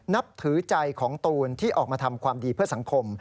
นับถือใจของตูนที่ออกมาทำความดีเพื่อสังคม